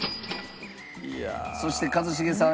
そして一茂さん